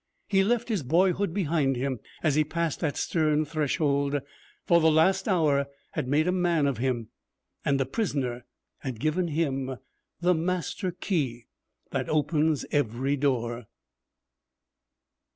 He left his boyhood behind him as he passed that stern threshold, for the last hour had made a man of him, and a prisoner had given him the master key that opens every door.